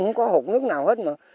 không có hột nước nào hết nữa